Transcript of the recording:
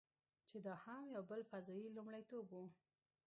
چې دا هم یو بل فضايي لومړیتوب و.